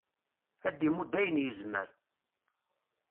ad d-imudd ayen yezmer